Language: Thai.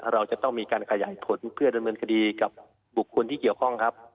เราจะต้องมีการขยายผลเพื่อดำเนินคดีกับบุคคลที่เกี่ยวข้องครับ